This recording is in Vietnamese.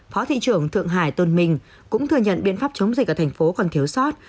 phó thị trưởng thượng hải tôn mình cũng thừa nhận biện pháp chống dịch ở thành phố còn thiếu sót